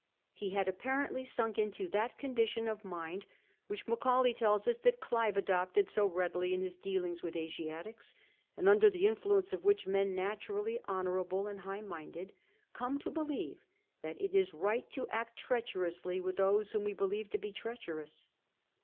He had apparently sunk into that condition of mind which Macaulay tells us that Clive adopted so readily in his dealings with Asiatics, and under the influence of which men naturally honourable and high minded come to believe that it is right to act treacherously with those whom we believe to be trea cherous.